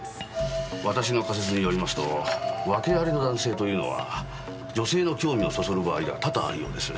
私の仮説によりますとワケありの男性というのは女性の興味をそそる場合が多々あるようです。